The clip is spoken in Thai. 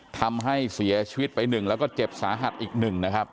ทำให้เสียชีวิตไป๑แล้วก็เจ็บสาหัสอีกหนึ่งนะครับ